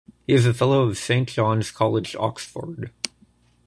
He is a fellow of Saint John's College, Oxford.